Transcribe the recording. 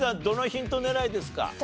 どのヒント狙いですか？